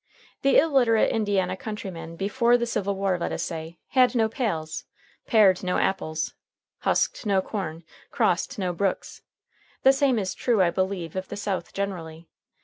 The illiterate Indiana countryman before the Civil War, let us say, had no pails, pared no apples, husked no corn, crossed no brooks. The same is true, I believe, of the South generally.